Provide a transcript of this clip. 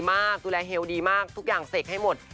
ดูแลเฮลดีมากทุกอย่างเสกให้หมด